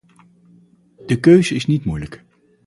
De keuze is niet moeilijk.